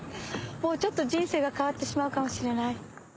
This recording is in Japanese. ちょっと人生が変わってしまうかもしれない。